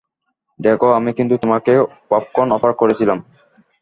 দেখো, আমি কিন্তু তোমাকে পপকর্ন অফার করেছিলাম।